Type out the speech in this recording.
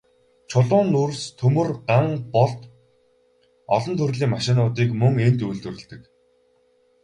Чулуун нүүрс, төмөр, ган болд, олон төрлийн машинуудыг мөн энд үйлдвэрлэдэг.